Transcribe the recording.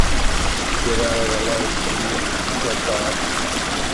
"Get out of the light, Smith," said Bob.